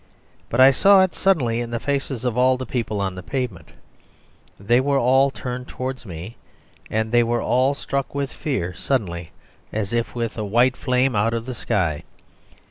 But I saw it suddenly in the faces of all the people on the pavement. They were all turned towards me, and they were all struck with fear suddenly, as with a white flame out of the sky.